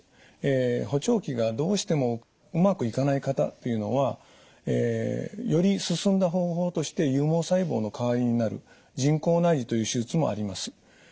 補聴器がどうしてもうまくいかない方というのはより進んだ方法として有毛細胞の代わりになる人工内耳という手術もあります。